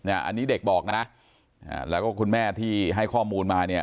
อันนี้เด็กบอกนะแล้วก็คุณแม่ที่ให้ข้อมูลมาเนี่ย